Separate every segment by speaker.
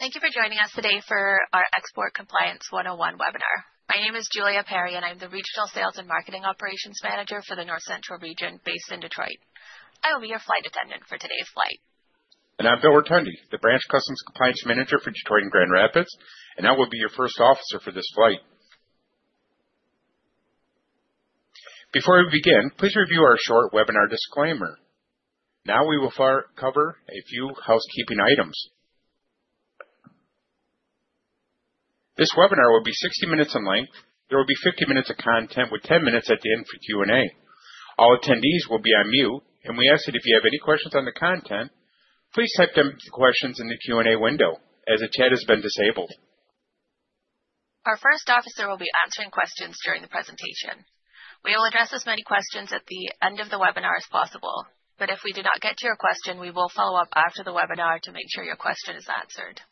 Speaker 1: Thank you for joining us today for our Export Compliance 101 webinar. My name is Julia Parry, and I'm the Regional Sales and Marketing Operations Manager for the North Central region based in Detroit. I will be your flight attendant for today's flight.
Speaker 2: I'm Bill Rotondi, the Branch Customs Compliance Manager for Detroit and Grand Rapids, and I will be your first officer for this flight. Before we begin, please review our short webinar disclaimer. Now we will cover a few housekeeping items. This webinar will be 60 minutes in length. There will be 50 minutes of content, with 10 minutes at the end for Q&A. All attendees will be on mute, and we ask that if you have any questions on the content, please type them into the questions in the Q&A window, as the chat has been disabled.
Speaker 1: Our first officer will be answering questions during the presentation. We will address as many questions at the end of the webinar as possible, but if we do not get to your question, we will follow up after the webinar to make sure your question is answered.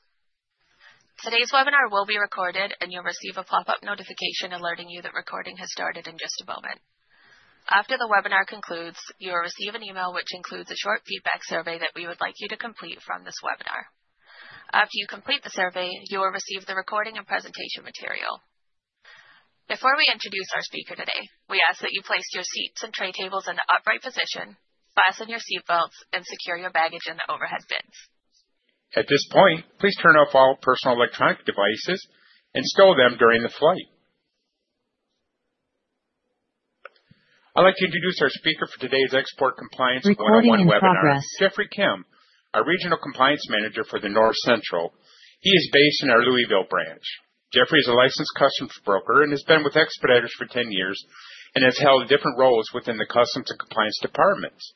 Speaker 1: Today's webinar will be recorded, and you'll receive a pop-up notification alerting you that recording has started in just a moment. After the webinar concludes, you will receive an email which includes a short feedback survey that we would like you to complete from this webinar. After you complete the survey, you will receive the recording and presentation material. Before we introduce our speaker today, we ask that you place your seats and tray tables in the upright position, fasten your seatbelts, and secure your baggage in the overhead bins.
Speaker 2: At this point, please turn off all personal electronic devices and stow them during the flight. I'd like to introduce our speaker for today's Export Compliance 101 webinar, Jeffrey Kim, our Regional Compliance Manager for the North Central. He is based in our Louisville branch. Jeffrey is a licensed customs broker and has been with Expeditors for 10 years and has held different roles within the customs and compliance departments.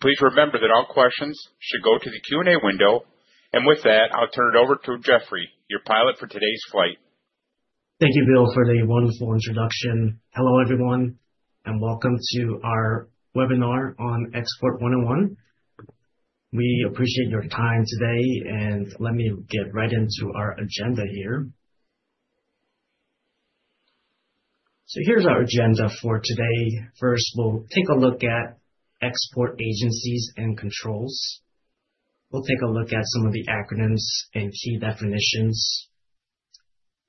Speaker 2: Please remember that all questions should go to the Q&A window, and with that, I'll turn it over to Jeffrey, your pilot for today's flight.
Speaker 3: Thank you, Bill, for the wonderful introduction. Hello, everyone, and welcome to our webinar on Export 101. We appreciate your time today, and let me get right into our agenda here, so here's our agenda for today. First, we'll take a look at export agencies and controls. We'll take a look at some of the acronyms and key definitions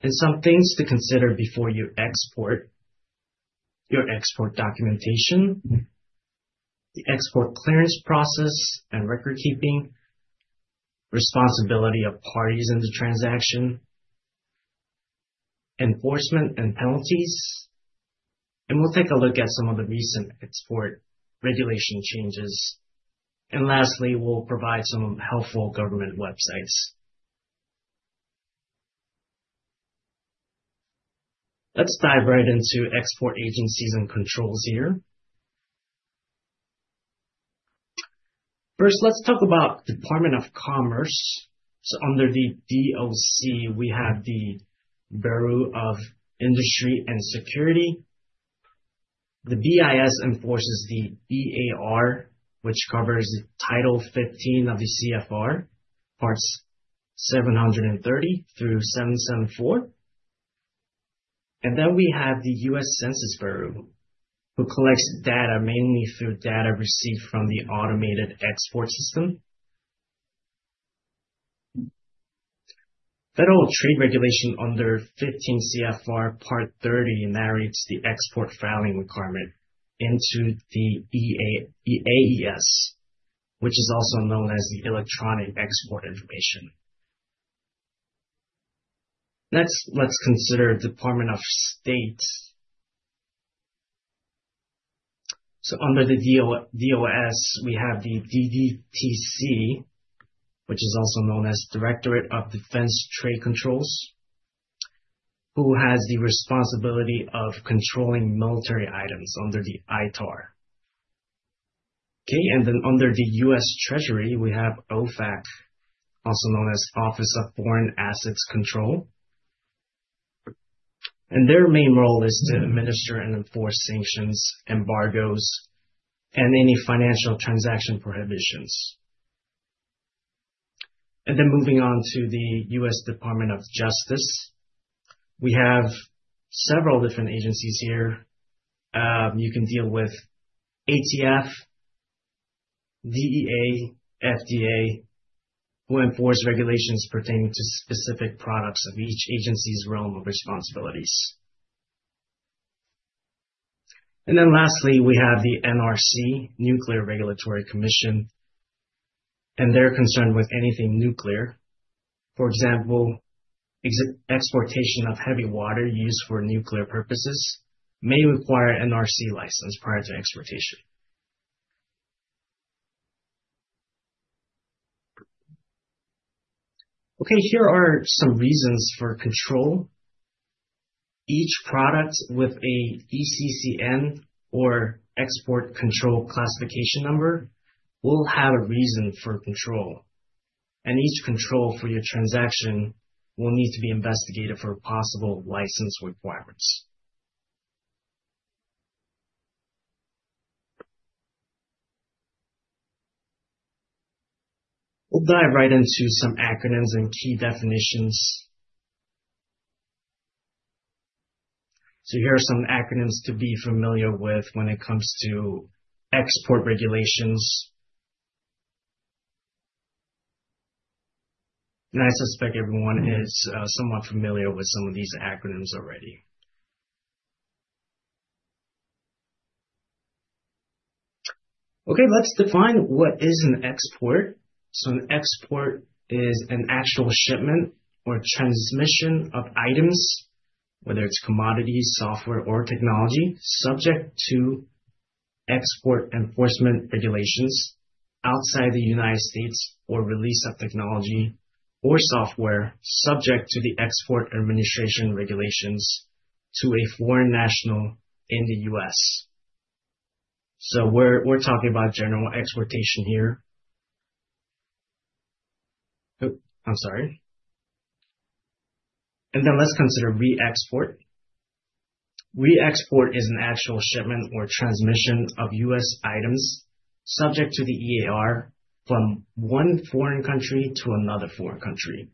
Speaker 3: and some things to consider before you export your export documentation, the export clearance process and record keeping, responsibility of parties in the transaction, enforcement and penalties, and we'll take a look at some of the recent export regulation changes, and lastly, we'll provide some helpful government websites. Let's dive right into export agencies and controls here. First, let's talk about the Department of Commerce, so under the DOC, we have the Bureau of Industry and Security. The BIS enforces the EAR, which covers Title 15 of the CFR, Part 730 through 774, and then we have the U.S. Census Bureau, who collects data mainly through data received from the Automated Export System. Foreign Trade Regulations under 15 CFR, Part 30, mandates the export filing requirement into the AES, which is also known as the Electronic Export Information. Next, let's consider the Department of State, so under the DOS, we have the DDTC, which is also known as Directorate of Defense Trade Controls, who has the responsibility of controlling military items under the ITAR. Okay, and then under the U.S. Treasury, we have OFAC, also known as Office of Foreign Assets Control, and their main role is to administer and enforce sanctions, embargoes, and any financial transaction prohibitions, and then moving on to the U.S. Department of Justice, we have several different agencies here. You can deal with ATF, DEA, FDA, who enforce regulations pertaining to specific products of each agency's realm of responsibilities, and then lastly, we have the NRC, Nuclear Regulatory Commission, and they're concerned with anything nuclear. For example, exportation of heavy water used for nuclear purposes may require an NRC license prior to exportation. Okay. Here are some reasons for control. Each product with an ECCN or Export Control Classification Number will have a reason for control, and each control for your transaction will need to be investigated for possible license requirements. We'll dive right into some acronyms and key definitions, so here are some acronyms to be familiar with when it comes to export regulations, and I suspect everyone is somewhat familiar with some of these acronyms already. Okay. Let's define what is an export. An export is an actual shipment or transmission of items, whether it's commodities, software, or technology, subject to the Export Administration Regulations outside the United States, or release of technology or software subject to the Export Administration Regulations to a foreign national in the U.S. We're talking about general exportation here. Oh, I'm sorry. Let's consider re-export. Re-export is an actual shipment or transmission of U.S. items subject to the EAR from one foreign country to another foreign country.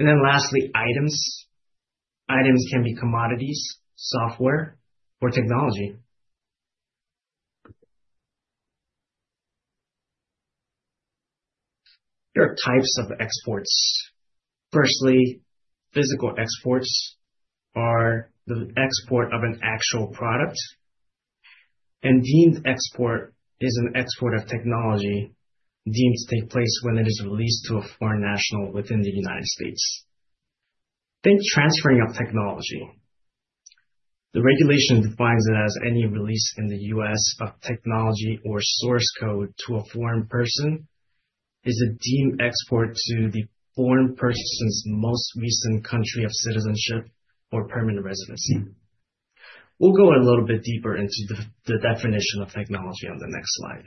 Speaker 3: Lastly, items. Items can be commodities, software, or technology. There are types of exports. Firstly, physical exports are the export of an actual product, and deemed export is an export of technology deemed to take place when it is released to a foreign national within the United States. Transferring of technology. The regulation defines it as any release in the U.S. of technology or source code to a foreign person is a deemed export to the foreign person's most recent country of citizenship or permanent residency. We'll go a little bit deeper into the definition of technology on the next slide.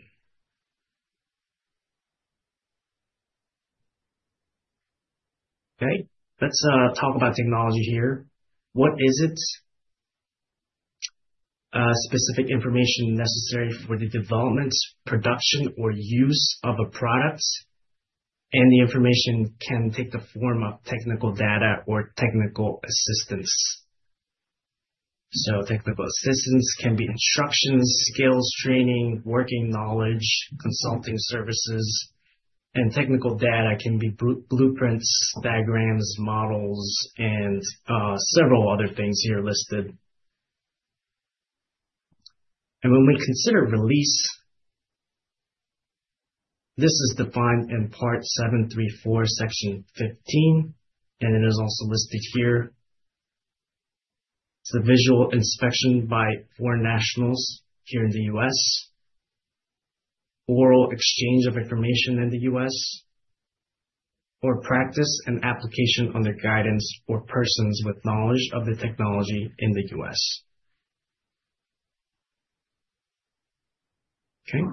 Speaker 3: Okay. Let's talk about technology here. What is it? Specific information necessary for the development, production, or use of a product, and the information can take the form of technical data or technical assistance. So technical assistance can be instructions, skills, training, working knowledge, consulting services, and technical data can be blueprints, diagrams, models, and several other things here listed. And when we consider release, this is defined in Part 734, Section 15, and it is also listed here. It's a visual inspection by foreign nationals here in the U.S., oral exchange of information in the U.S., or practice and application under guidance or persons with knowledge of the technology in the U.S. Okay.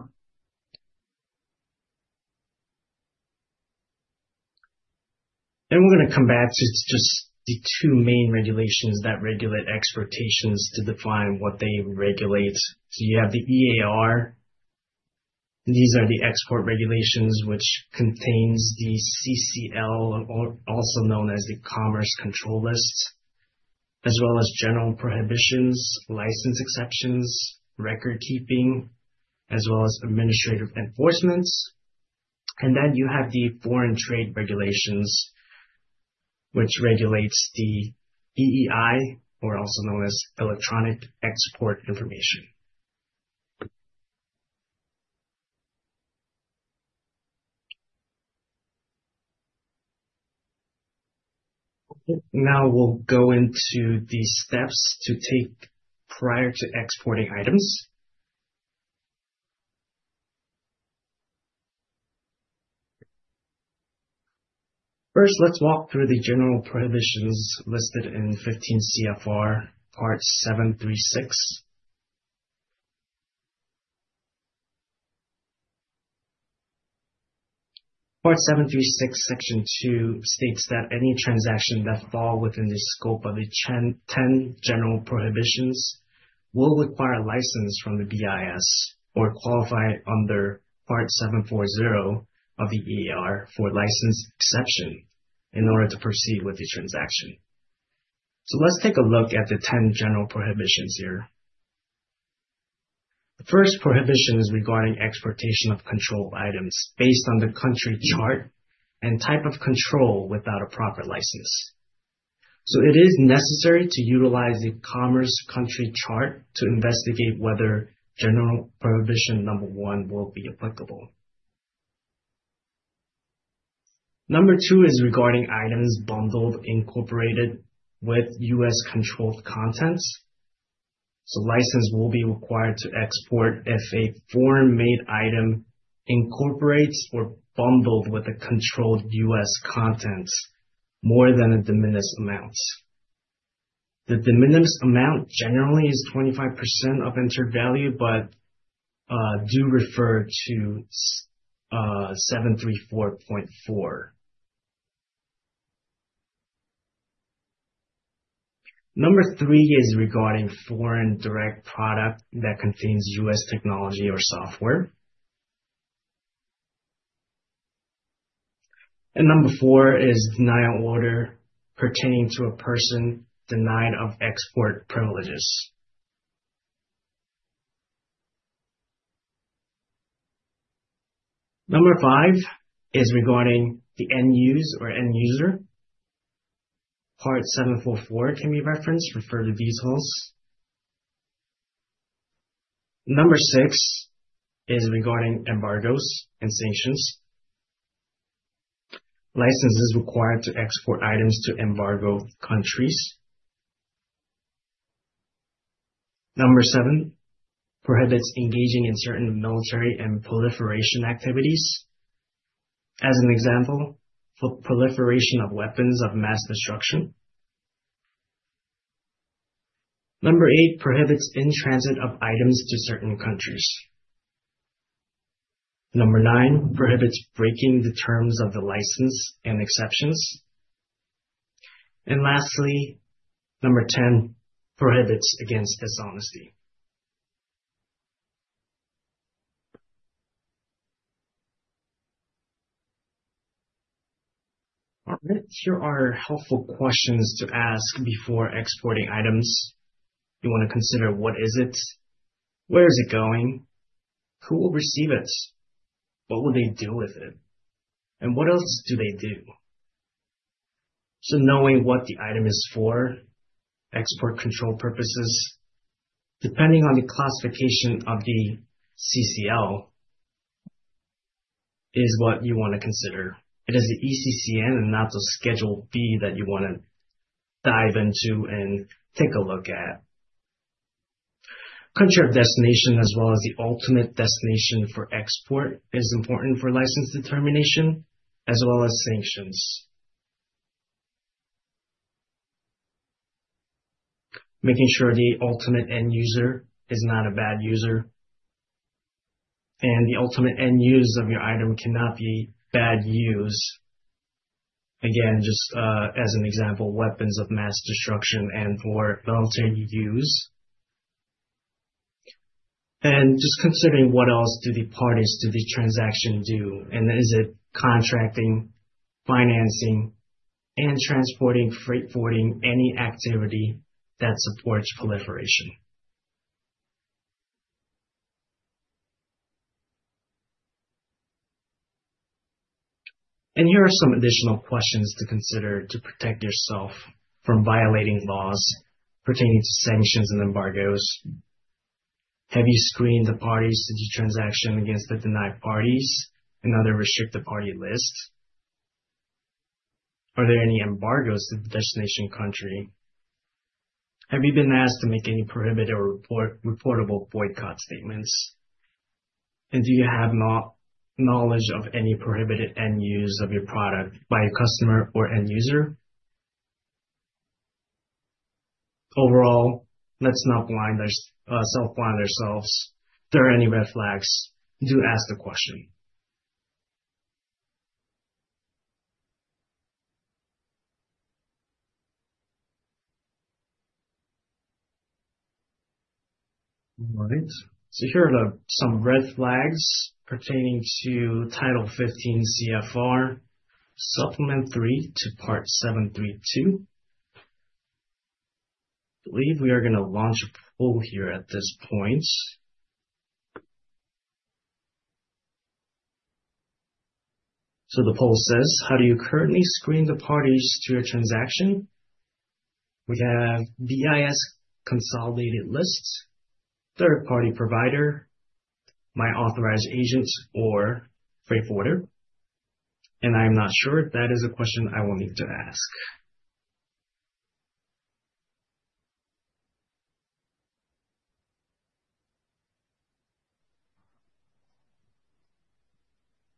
Speaker 3: Then we're going to come back to just the two main regulations that regulate exportations to define what they regulate. So you have the EAR. These are the export regulations, which contains the CCL, also known as the Commerce Control List, as well as general prohibitions, license exceptions, record keeping, as well as administrative enforcement. And then you have the Foreign Trade Regulations, which regulates the EEI, or also known as Electronic Export Information. Now we'll go into the steps to take prior to exporting items. First, let's walk through the general prohibitions listed in 15 CFR, Part 736. Part 736, Section 2 states that any transaction that falls within the scope of the 10 general prohibitions will require a license from the BIS or qualify under Part 740 of the EAR for a license exception in order to proceed with the transaction. So let's take a look at the 10 general prohibitions here. The first prohibition is regarding exportation of controlled items based on the country chart and type of control without a proper license. So it is necessary to utilize the Commerce Country Chart to investigate whether General Prohibition Number one will be applicable. Number two is regarding items bundled, incorporated with U.S. controlled contents. So license will be required to export if a foreign-made item incorporates or bundled with a controlled U.S. content more than a de minimis amount. The de minimis amount generally is 25% of entered value, but do refer to 734.4. Number 3 is regarding foreign direct product that contains U.S. technology or software. And number 4 is denial order pertaining to a person denied of export privileges. Number 5 is regarding the end-use or end-user. Part 744 can be referenced for further details. Number 6 is regarding embargoes and sanctions. License is required to export items to embargoed countries. Number 7 prohibits engaging in certain military and proliferation activities. As an example, proliferation of weapons of mass destruction. Number 8 prohibits in-transit of items to certain countries. Number 9 prohibits breaking the terms of the license and exceptions. And lastly, number 10 prohibits against dishonesty. All right. Here are helpful questions to ask before exporting items. You want to consider what is it, where is it going, who will receive it, what will they do with it, and what else do they do. So knowing what the item is for, export control purposes, depending on the classification of the CCL is what you want to consider. It is the ECCN and/or Schedule B that you want to dive into and take a look at. Country of destination, as well as the ultimate destination for export, is important for license determination, as well as sanctions. Making sure the ultimate end-user is not a bad user. And the ultimate end-use of your item cannot be bad use. Again, just as an example, weapons of mass destruction and for military use. And just considering what else do the parties to the transaction do, and is it contracting, financing, and transporting, freight-forwarding any activity that supports proliferation? And here are some additional questions to consider to protect yourself from violating laws pertaining to sanctions and embargoes. Have you screened the parties to the transaction against the denied parties and other restricted party list? Are there any embargoes to the destination country? Have you been asked to make any prohibited or reportable boycott statements? And do you have knowledge of any prohibited end-use of your product by a customer or end-user? Overall, let's not self-blame ourselves if there are any red flags. Do ask the question. All right. So here are some red flags pertaining to Title 15 CFR, Supplement 3 to Part 732. I believe we are going to launch a poll here at this point. So the poll says, "How do you currently screen the parties to your transaction?" We have BIS consolidated lists, third-party provider, my authorized agent, or freight forwarder. And I'm not sure. That is a question I will need to ask.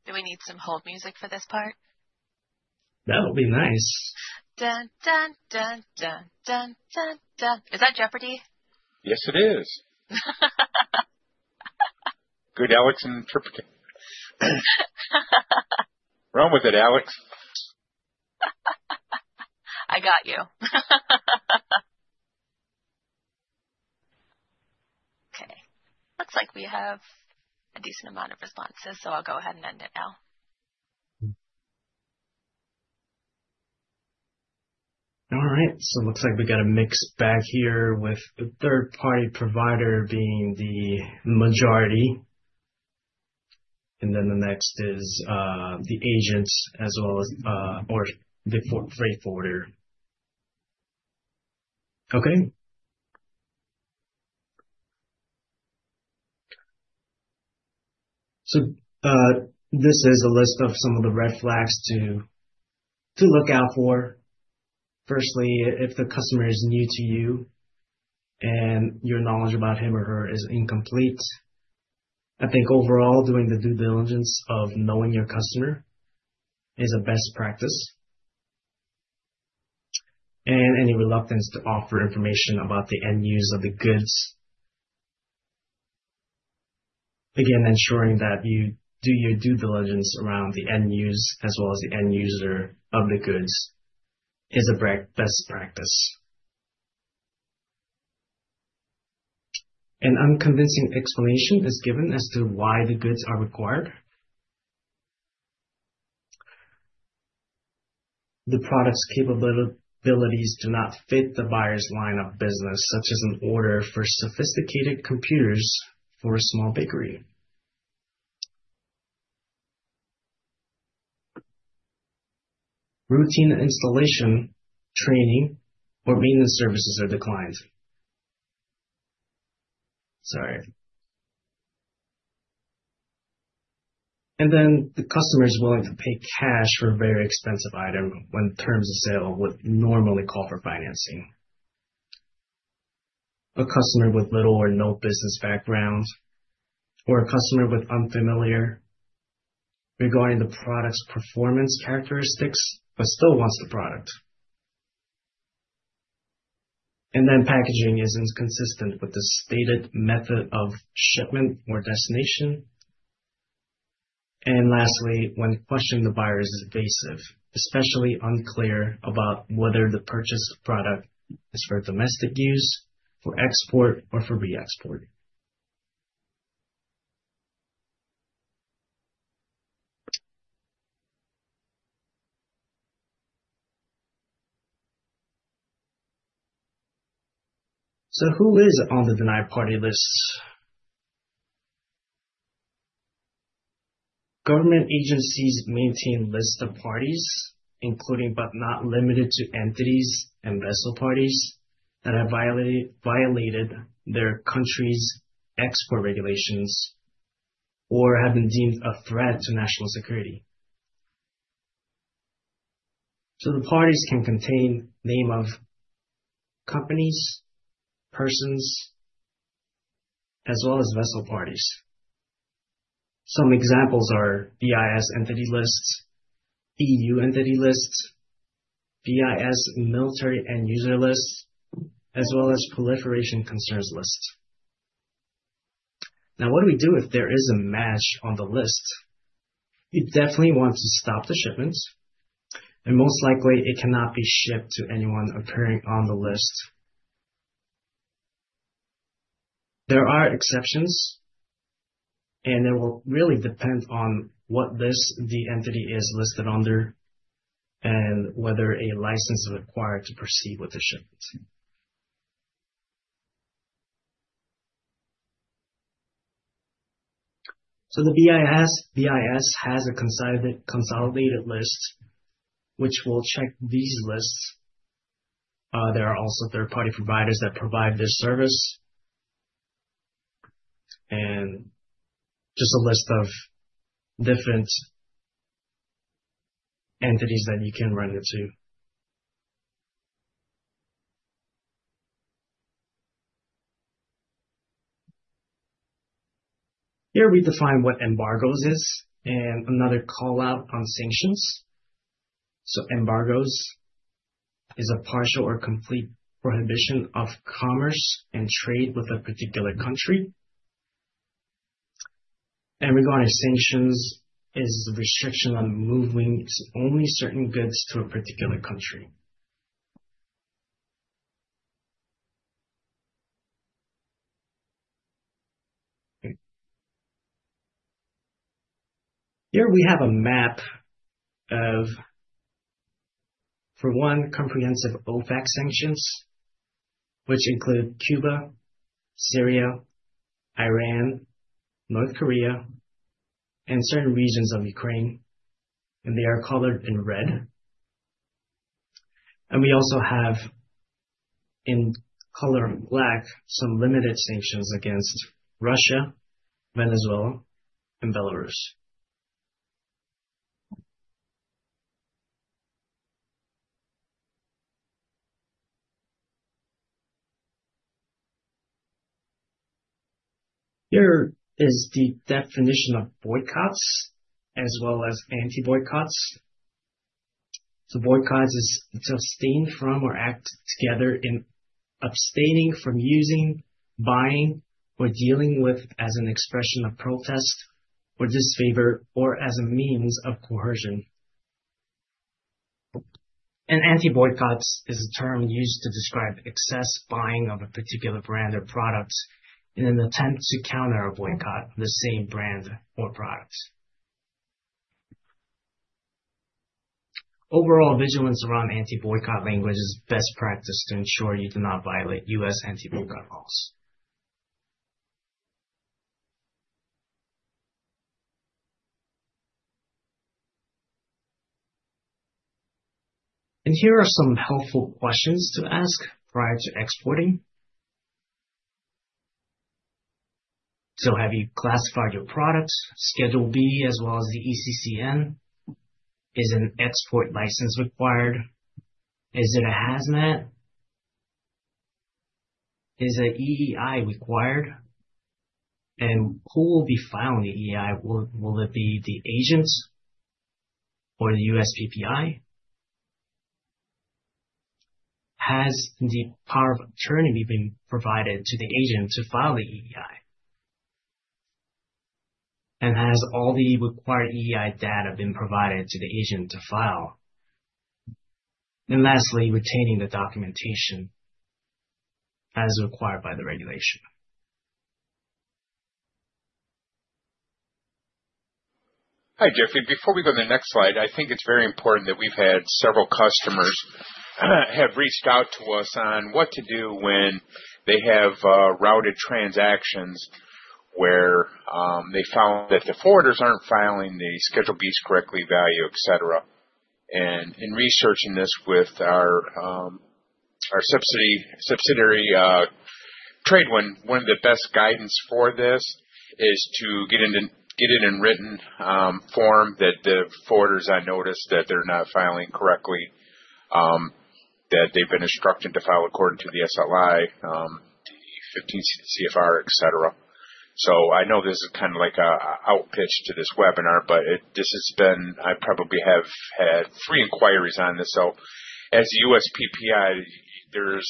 Speaker 1: Do we need some hold music for this part?
Speaker 3: That would be nice.
Speaker 1: Is that Jeopardy!?
Speaker 2: Yes, it is. Good Alex impersonator. Roll with it, Alex.
Speaker 1: I got you. Okay. Looks like we have a decent amount of responses, so I'll go ahead and end it now.
Speaker 3: All right. So it looks like we got a mixed bag here with the third-party provider being the majority, and then the next is the agent as well as, or the freight forwarder. Okay. So this is a list of some of the red flags to look out for. Firstly, if the customer is new to you and your knowledge about him or her is incomplete, I think overall, doing the due diligence of knowing your customer is a best practice, and any reluctance to offer information about the end-use of the goods. Again, ensuring that you do your due diligence around the end-use as well as the end-user of the goods is a best practice. An unconvincing explanation is given as to why the goods are required. The product's capabilities do not fit the buyer's line of business, such as an order for sophisticated computers for a small bakery. Routine installation, training, or maintenance services are declined, sorry, and then the customer is willing to pay cash for a very expensive item when terms of sale would normally call for financing. A customer with little or no business background, or a customer with unfamiliar regarding the product's performance characteristics but still wants the product, and then packaging is inconsistent with the stated method of shipment or destination, and lastly, when questioning, the buyer is evasive, especially unclear about whether the purchased product is for domestic use, for export, or for re-export. So who is on the Denied Party Lists? Government agencies maintain lists of parties, including but not limited to entities and vessel parties that have violated their country's export regulations or have been deemed a threat to national security. So the parties can contain the name of companies, persons, as well as vessel parties. Some examples are BIS Entity List, EU entity lists, BIS Military End-User List, as well as proliferation concerns lists. Now, what do we do if there is a match on the list? You definitely want to stop the shipment, and most likely, it cannot be shipped to anyone appearing on the list. There are exceptions, and it will really depend on what list the entity is listed under and whether a license is required to proceed with the shipment. So the BIS has a consolidated list, which will check these lists. There are also third-party providers that provide this service, and just a list of different entities that you can run into. Here we define what embargo is and another callout on sanctions, so embargo is a partial or complete prohibition of commerce and trade with a particular country, and regarding sanctions is a restriction on moving only certain goods to a particular country. Here we have a map of, for one, comprehensive OFAC sanctions, which include Cuba, Syria, Iran, North Korea, and certain regions of Ukraine, and they are colored in red, and we also have in color black some limited sanctions against Russia, Venezuela, and Belarus. Here is the definition of boycotts as well as anti-boycott, so boycott is to abstain from or act together in abstaining from using, buying, or dealing with as an expression of protest or disfavor or as a means of coercion. Anti-boycotts is a term used to describe excess buying of a particular brand or product in an attempt to counter a boycott of the same brand or product. Overall, vigilance around anti-boycott language is best practice to ensure you do not violate U.S. anti-boycott laws. Here are some helpful questions to ask prior to exporting. Have you classified your products? Schedule B, as well as the ECCN, is an export license required? Is it a hazmat? Is an EEI required? Who will be filing the EEI? Will it be the agent or the USPPI? Has the power of attorney been provided to the agent to file the EEI? Has all the required EEI data been provided to the agent to file? Lastly, retaining the documentation as required by the regulation.
Speaker 2: Hi, Jeffrey. Before we go to the next slide, I think it's very important that we've had several customers have reached out to us on what to do when they have routed transactions where they found that the forwarders aren't filing the Schedule B's correctly, value, etc. And in researching this with our Tradewin, one of the best guidance for this is to get it in written form that the forwarders, I noticed that they're not filing correctly, that they've been instructed to file according to the SLI, the 15 CFR, etc. So I know this is kind of like an outreach to this webinar, but this has been, I probably have had three inquiries on this. So as USPPI, there's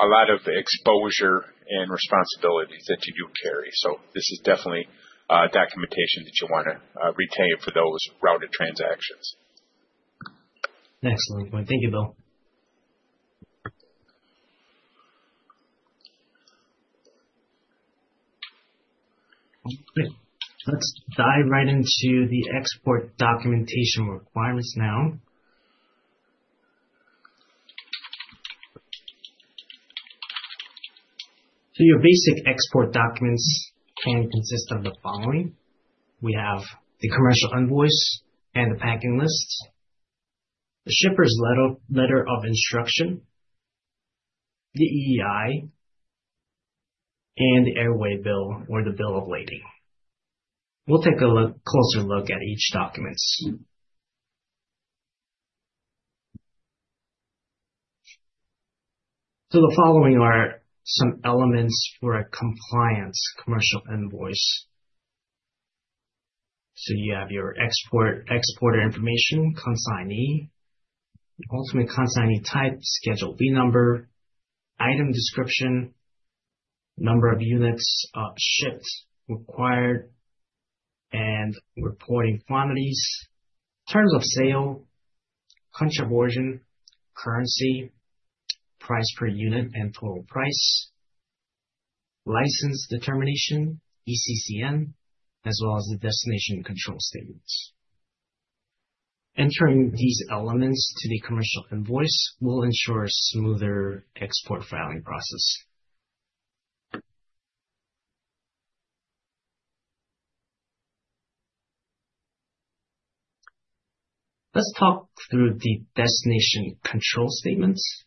Speaker 2: a lot of exposure and responsibilities that you do carry. So this is definitely documentation that you want to retain for those routed transactions.
Speaker 3: Excellent point. Thank you, Bill. Okay. Let's dive right into the export documentation requirements now. Your basic export documents can consist of the following. We have the commercial invoice and the packing list, the shipper's letter of instruction, the EEI, and the air waybill or the bill of lading. We'll take a closer look at each document. The following are some elements for a compliant commercial invoice. You have your exporter information, consignee, ultimate consignee type, Schedule B number, item description, number of units shipped, required, and reporting quantities, terms of sale, country of origin, currency, price per unit and total price, license determination, ECCN, as well as the destination control statements. Entering these elements to the commercial invoice will ensure a smoother export filing process. Let's talk through the destination control statements.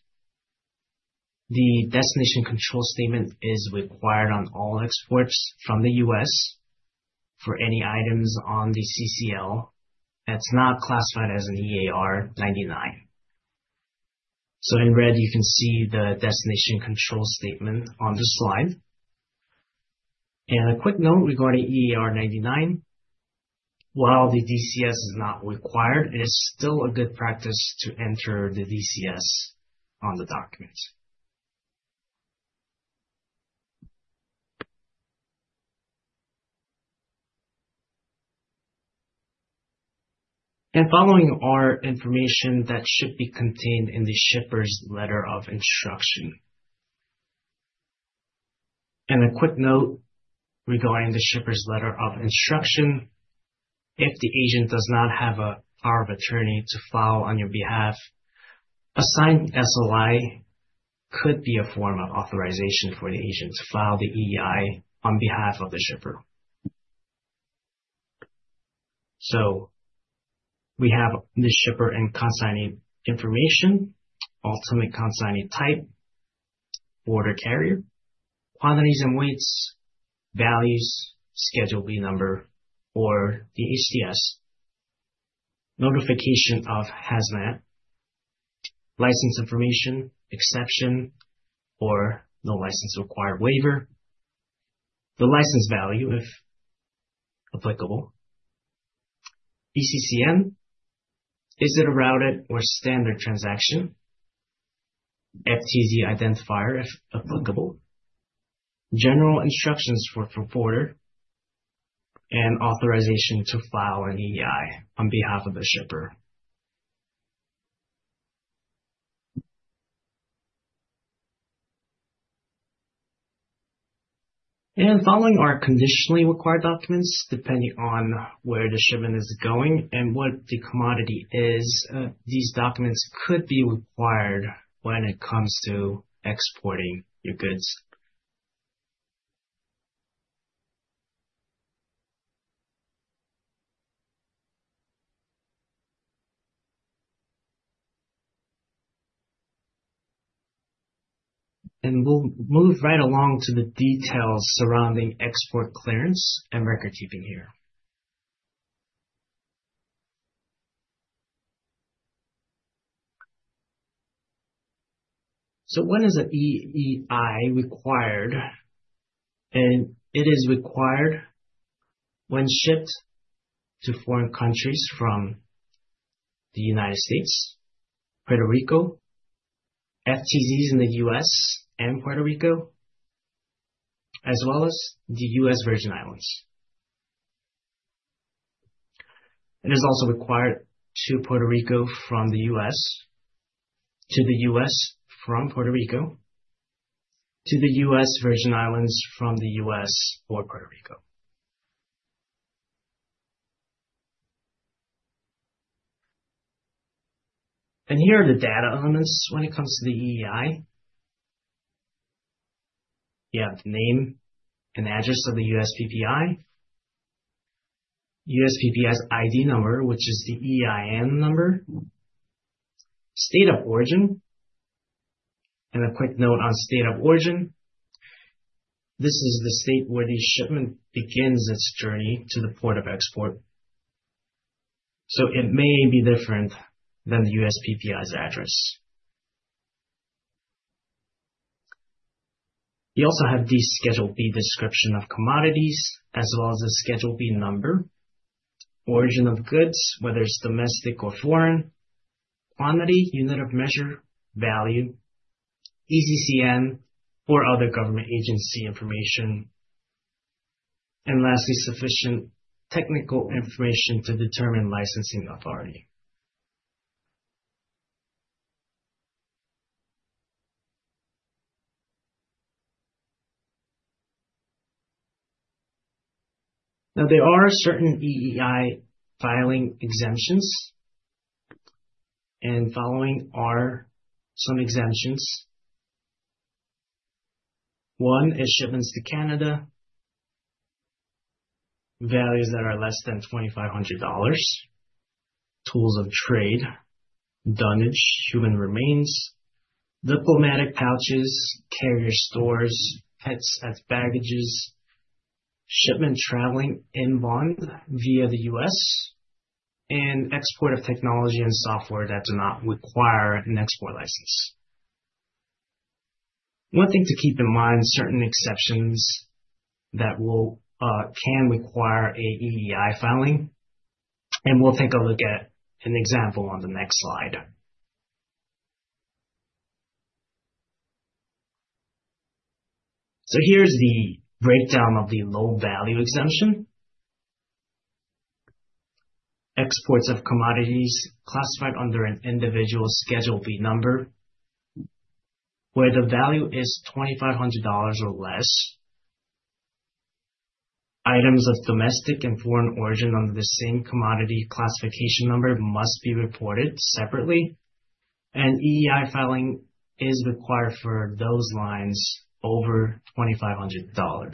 Speaker 3: The destination control statement is required on all exports from the U.S. For any items on the CCL that's not classified as an EAR99. So in red, you can see the destination control statement on this slide. A quick note regarding EAR99, while the DCS is not required, it is still a good practice to enter the DCS on the document. Following are information that should be contained in the shipper's letter of instruction. A quick note regarding the shipper's letter of instruction, if the agent does not have a power of attorney to file on your behalf, a signed SLI could be a form of authorization for the agent to file the EEI on behalf of the shipper. So we have the shipper and consignee information, ultimate consignee type, forwarder carrier, quantities and weights, values, Schedule B number or the HTS, notification of hazmat, license information, exception or no license required waiver, the license value if applicable, ECCN, is it a routed or standard transaction, FTZ identifier if applicable, general instructions for forwarder, and authorization to file an EEI on behalf of the shipper. And following are conditionally required documents. Depending on where the shipment is going and what the commodity is, these documents could be required when it comes to exporting your goods. And we'll move right along to the details surrounding export clearance and record-keeping here. So when is an EEI required? And it is required when shipped to foreign countries from the United States, Puerto Rico, FTZs in the U.S. and Puerto Rico, as well as the U.S. Virgin Islands. It is also required to Puerto Rico from the U.S., to the U.S. from Puerto Rico, to the U.S. Virgin Islands from the U.S. or Puerto Rico. And here are the data elements when it comes to the EEI. You have the name and address of the USPPI, USPPI's ID number, which is the EIN number, state of origin, and a quick note on state of origin. This is the state where the shipment begins its journey to the port of export. So it may be different than the USPPI's address. You also have the Schedule B description of commodities as well as the Schedule B number, origin of goods, whether it's domestic or foreign, quantity, unit of measure, value, ECCN, or other government agency information. And lastly, sufficient technical information to determine licensing authority. Now, there are certain EEI filing exemptions. And following are some exemptions. One is shipments to Canada, values that are less than $2,500, tools of trade, dunnage, human remains, diplomatic pouches, carrier stores, pets as baggage, shipment traveling in bond via the U.S., and export of technology and software that do not require an export license. One thing to keep in mind: certain exceptions that can require an EEI filing, and we'll take a look at an example on the next slide, so here's the breakdown of the low value exemption. Exports of commodities classified under an individual Schedule B number where the value is $2,500 or less. Items of domestic and foreign origin under the same commodity classification number must be reported separately, and EEI filing is required for those lines over $2,500,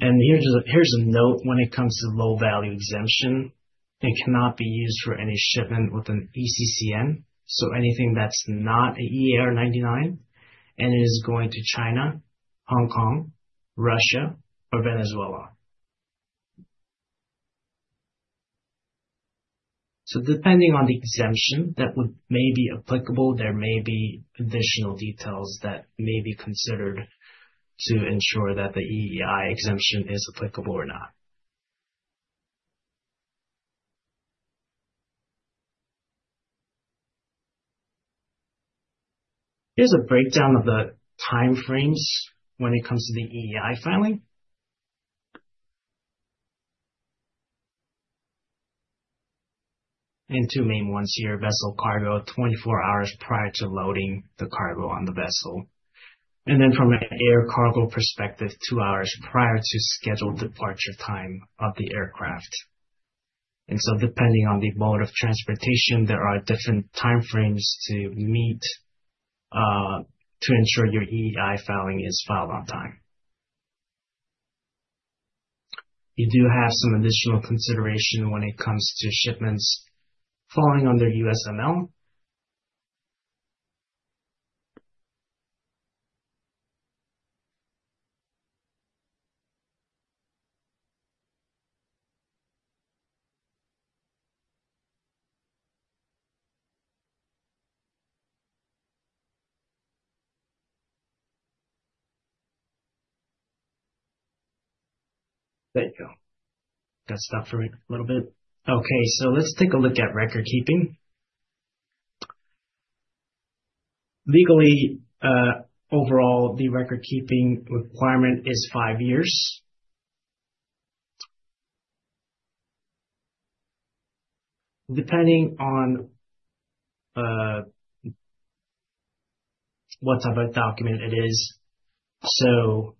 Speaker 3: and here's a note when it comes to low value exemption. It cannot be used for any shipment with an ECCN. Anything that's not an EAR99 and is going to China, Hong Kong, Russia, or Venezuela. Depending on the exemption that may be applicable, there may be additional details that may be considered to ensure that the EEI exemption is applicable or not. Here's a breakdown of the time frames when it comes to the EEI filing. Two main ones here, vessel cargo 24 hours prior to loading the cargo on the vessel, and then from an air cargo perspective, two hours prior to scheduled departure time of the aircraft. Depending on the mode of transportation, there are different time frames to meet to ensure your EEI filing is filed on time. You do have some additional consideration when it comes to shipments falling under USML. There you go. That stopped for me a little bit. Okay. Let's take a look at record keeping. Legally, overall, the record keeping requirement is five years, depending on what type of document it is. So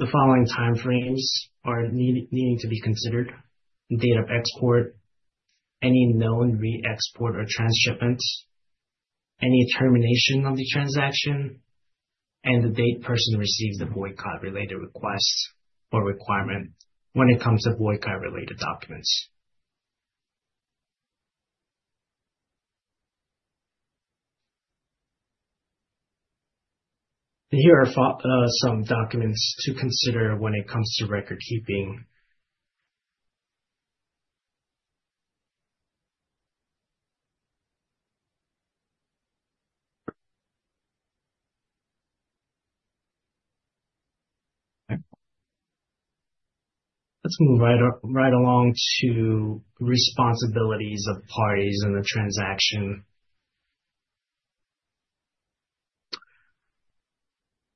Speaker 3: the following time frames are needing to be considered: date of export, any known re-export or transshipment, any termination of the transaction, and the date person receives a boycott-related request or requirement when it comes to boycott-related documents. And here are some documents to consider when it comes to record keeping. Let's move right along to responsibilities of parties in the transaction.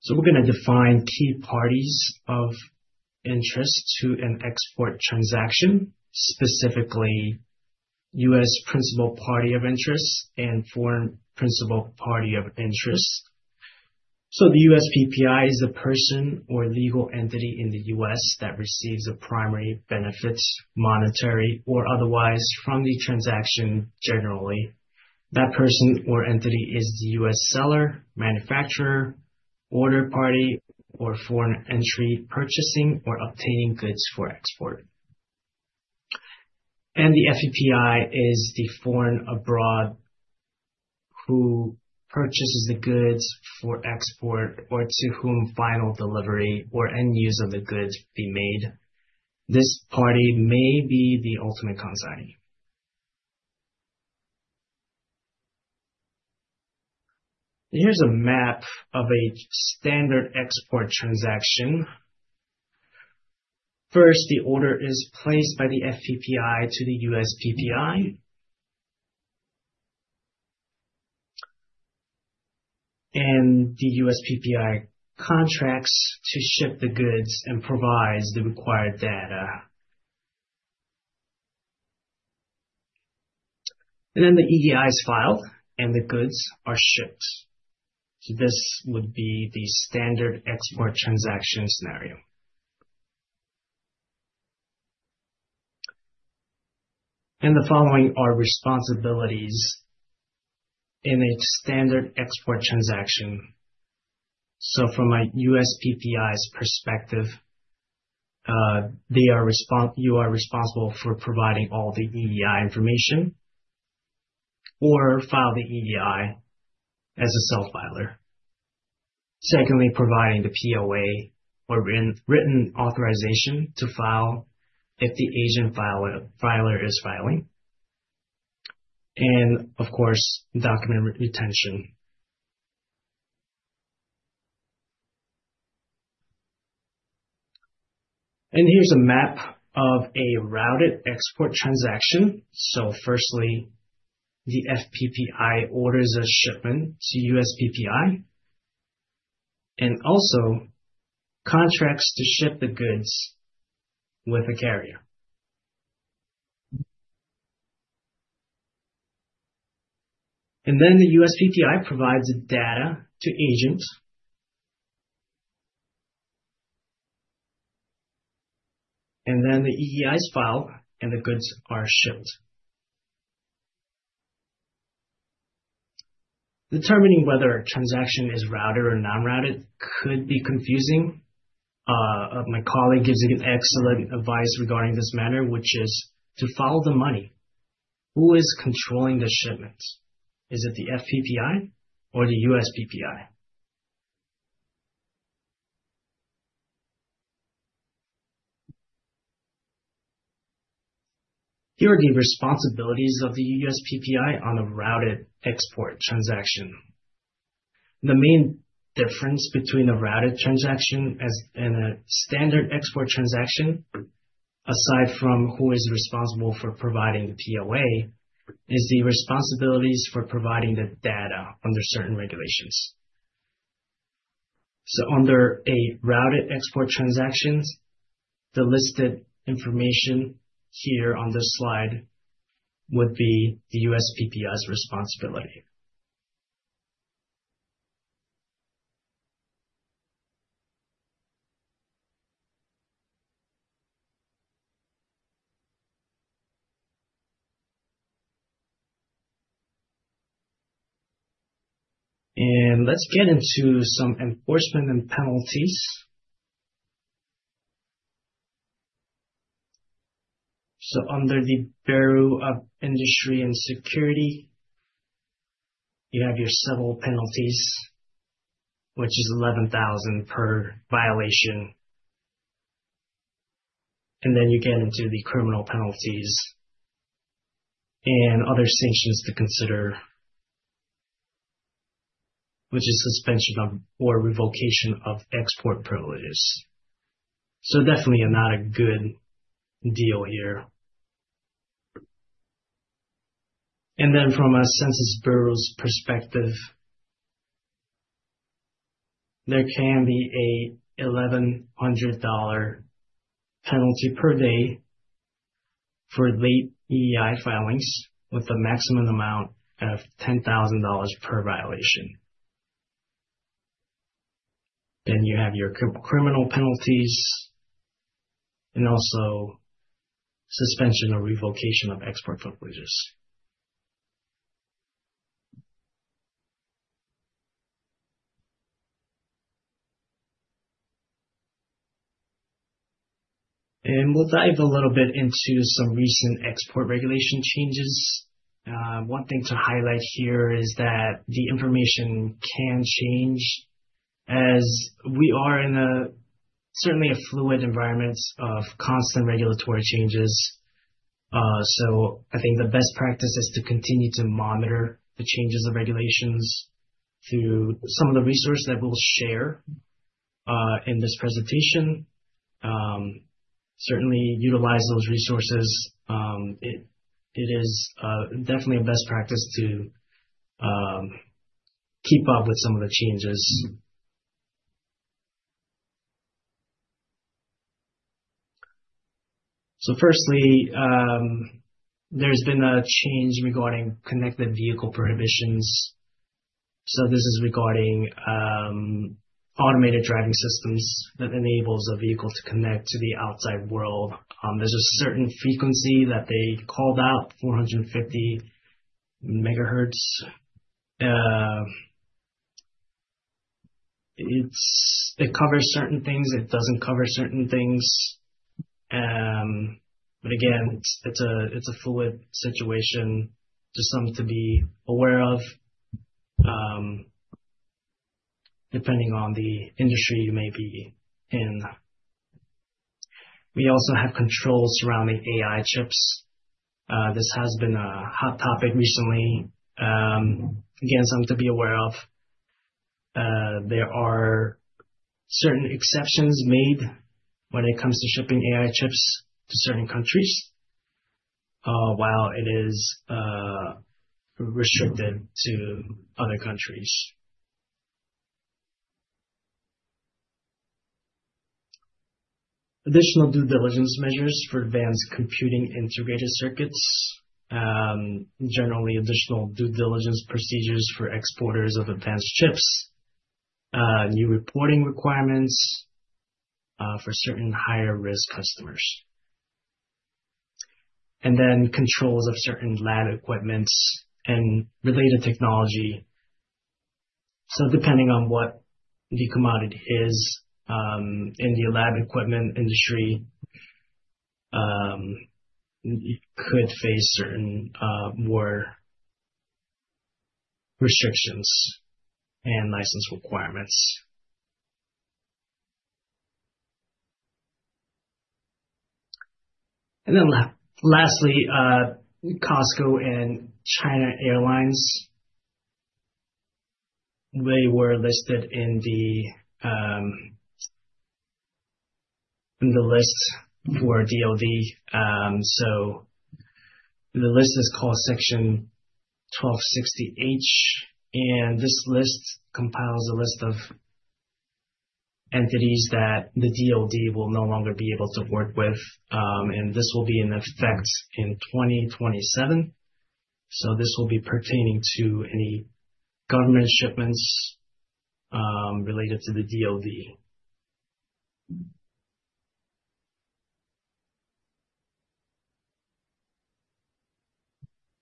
Speaker 3: So we're going to define key parties of interest to an export transaction, specifically U.S. principal party of interest and foreign principal party of interest. So the USPPI is a person or legal entity in the U.S. that receives a primary benefit, monetary, or otherwise from the transaction generally. That person or entity is the U.S. seller, manufacturer, order party, or foreign entity purchasing or obtaining goods for export. The FPPI is the foreign party who purchases the goods for export or to whom final delivery or end use of the goods is made. This party may be the ultimate consignee. Here's a map of a standard export transaction. First, the order is placed by the FPPI to the USPPI, and the USPPI contracts to ship the goods and provides the required data, then the EEI is filed and the goods are shipped. This would be the standard export transaction scenario. The following are responsibilities in a standard export transaction. From a USPPI's perspective, you are responsible for providing all the EEI information or filing the EEI as a self-filer. Secondly, providing the POA or written authorization to file if the agent filer is filing. Of course, document retention. Here's a map of a routed export transaction. So firstly, the FPPI orders a shipment to USPPI and also contracts to ship the goods with a carrier. And then the USPPI provides data to agent. And then the EEI is filed and the goods are shipped. Determining whether a transaction is routed or non-routed could be confusing. My colleague gives you excellent advice regarding this matter, which is to follow the money. Who is controlling the shipment? Is it the FPPI or the USPPI? Here are the responsibilities of the USPPI on a routed export transaction. The main difference between a routed transaction and a standard export transaction, aside from who is responsible for providing the POA, is the responsibilities for providing the data under certain regulations. So under a routed export transaction, the listed information here on this slide would be the USPPI's responsibility. And let's get into some enforcement and penalties. Under the Bureau of Industry and Security, you have your civil penalties, which is $11,000 per violation. Then you get into the criminal penalties and other sanctions to consider, which is suspension of or revocation of export privileges. Definitely not a good deal here. Then from a Census Bureau's perspective, there can be a $1,100 penalty per day for late EEI filings with a maximum amount of $10,000 per violation. Then you have your criminal penalties and also suspension or revocation of export privileges. We'll dive a little bit into some recent export regulation changes. One thing to highlight here is that the information can change as we are in a certainly fluid environment of constant regulatory changes. I think the best practice is to continue to monitor the changes of regulations through some of the resources that we'll share in this presentation. Certainly utilize those resources. It is definitely a best practice to keep up with some of the changes. So firstly, there's been a change regarding connected vehicle prohibitions. So this is regarding automated driving systems that enables a vehicle to connect to the outside world. There's a certain frequency that they called out, 450 megahertz. It covers certain things. It doesn't cover certain things. But again, it's a fluid situation to some to be aware of depending on the industry you may be in. We also have controls surrounding AI chips. This has been a hot topic recently. Again, some to be aware of. There are certain exceptions made when it comes to shipping AI chips to certain countries while it is restricted to other countries. Additional due diligence measures for advanced computing integrated circuits. Generally, additional due diligence procedures for exporters of advanced chips, new reporting requirements for certain higher risk customers. And then controls of certain lab equipment and related technology. So depending on what the commodity is in the lab equipment industry, you could face certain more restrictions and license requirements. And then lastly, COSCO Shipping and China Airlines. They were listed in the list for DOD. So the list is called Section 1260H. And this list compiles a list of entities that the DOD will no longer be able to work with. And this will be in effect in 2027. So this will be pertaining to any government shipments related to the DOD.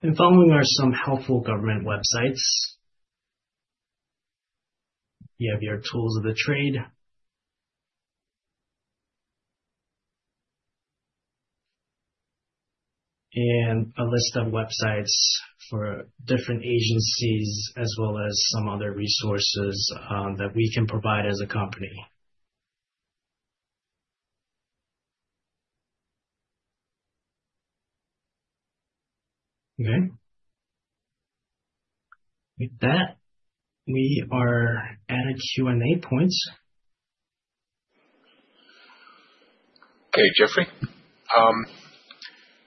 Speaker 3: And following are some helpful government websites. You have your tools of the trade and a list of websites for different agencies as well as some other resources that we can provide as a company.
Speaker 2: Okay.
Speaker 3: With that, we are at a Q&A point.
Speaker 2: Okay, Jeffrey.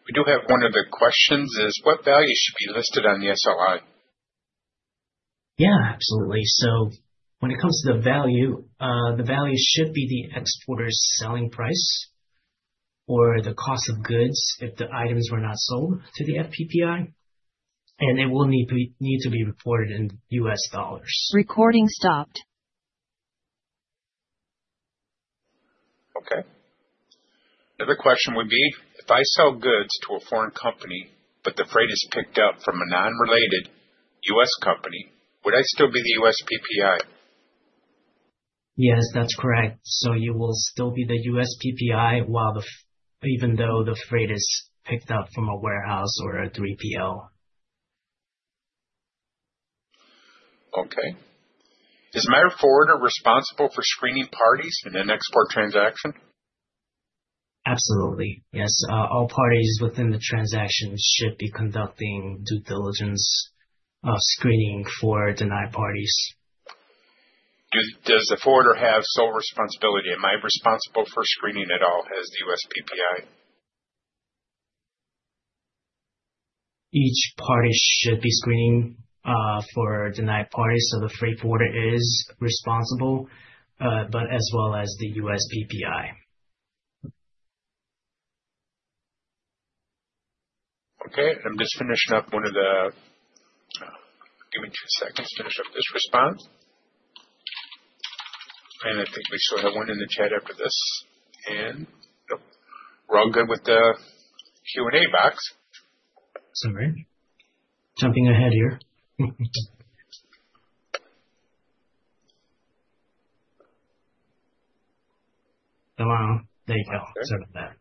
Speaker 2: We do have one of the questions is, what value should be listed on the SLI?
Speaker 3: Yeah, absolutely. When it comes to the value, the value should be the exporter's selling price or the cost of goods if the items were not sold to the FPPI. It will need to be reported in U.S. dollars.
Speaker 4: Recording stopped.
Speaker 2: Okay. Another question would be, if I sell goods to a foreign company, but the freight is picked up from a non-related U.S. company, would I still be the USPPI?
Speaker 3: Yes, that's correct. So you will still be the USPPI even though the freight is picked up from a warehouse or a 3PL.
Speaker 2: Okay. Is the freight forwarder responsible for screening parties in an export transaction?
Speaker 3: Absolutely. Yes. All parties within the transaction should be conducting due diligence screening for denied parties.
Speaker 2: Does the forwarder have sole responsibility? Am I responsible for screening at all as the USPPI?
Speaker 3: Each party should be screening for denied parties. So the freight forwarder is responsible, but as well as the USPPI.
Speaker 2: Okay. I'm just finishing up one of the, give me two seconds to finish up this response. I think we still have one in the chat after this. We're all good with the Q&A box.
Speaker 3: Sorry. Jumping ahead here. Hello. There you go. Sorry about that.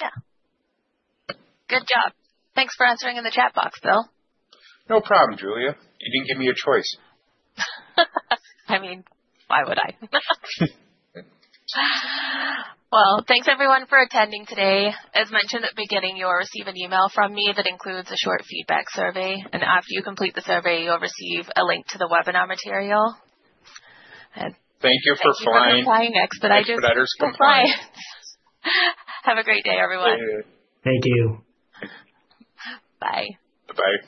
Speaker 1: Yeah. Good job. Thanks for answering in the chat box, Bill.
Speaker 2: No problem, Julia. You didn't give me a choice.
Speaker 1: I mean, why would I? Well, thanks everyone for attending today. As mentioned at the beginning, you will receive an email from me that includes a short feedback survey. And after you complete the survey, you'll receive a link to the webinar material.
Speaker 2: Thank you for flying.
Speaker 1: Thank you for flying Expeditors Compliance. Have a great day, everyone.
Speaker 3: Thank you.
Speaker 1: Thank you. Bye.
Speaker 2: Bye-bye.